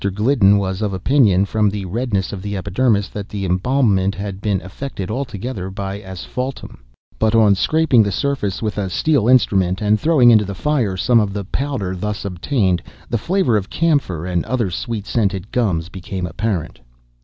Gliddon was of opinion, from the redness of the epidermis, that the embalmment had been effected altogether by asphaltum; but, on scraping the surface with a steel instrument, and throwing into the fire some of the powder thus obtained, the flavor of camphor and other sweet scented gums became apparent.